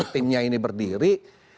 timnya ini berdiri